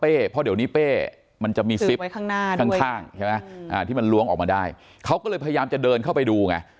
เพราะเดี๋ยวนี้เป้มันจะมีซิปข้างใช่ไหมที่มันล้วงออกมาได้เขาก็เลยพยายามจะเดินเข้าไปดูไง